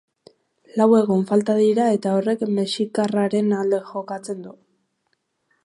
Lau egun falta dira eta horrek mexikarraren alde jokatzen du.